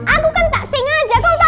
aku kan tak sengaja kau tahu